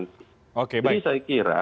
jadi saya kira